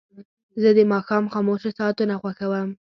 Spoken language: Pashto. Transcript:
زه د ماښام خاموشه ساعتونه خوښوم.